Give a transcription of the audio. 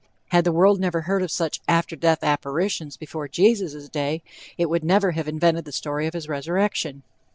Had the world never heard of such after death apparitions before Jesus' day, it would never have invented the story of his resurrection.